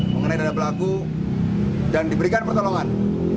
mengenai dada pelaku dan diberikan pertolongan